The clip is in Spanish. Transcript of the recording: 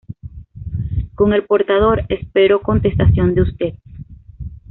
Con el portador espero contestación de usted"".